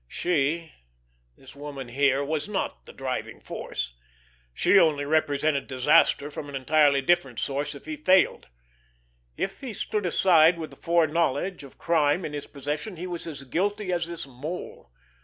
She, this woman here, was not the driving force.... She only represented disaster from an entirely different source if he failed.... If he stood aside with the foreknowledge of crime in his possession he was as guilty as this Mole....